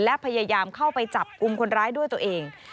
และพยายามเข้าไปจับกลุ่มคนร้ายด้วยตัวเอง